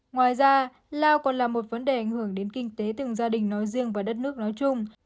ngoài ra lao còn là một vấn đề ảnh hưởng đến kinh tế từng gia đình nói riêng và đất nước nói chung